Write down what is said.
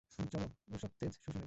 চল, ওর সব তেজ শুষে নেবো।